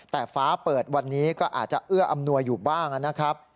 แต่ฟ้าเปิดวันนี้ก็อาจจะเอื้ออำนวยอยู่บ้างนะครับ